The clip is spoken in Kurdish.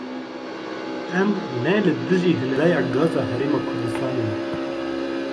Em ne li dijî hinardeya gaza Herêma Kurdistanê ne.